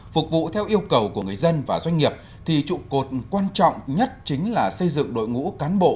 phục vụ theo yêu cầu của người dân và doanh nghiệp thì trụ cột quan trọng nhất chính là xây dựng đội ngũ cán bộ